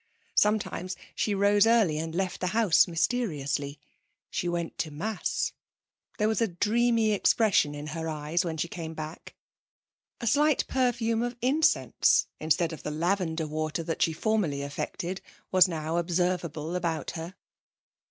Sometimes she rose early and left the house mysteriously. She went to Mass. There was a dreamy expression in her eyes when she came back. A slight perfume of incense, instead of the lavender water that she formerly affected, was now observable about her.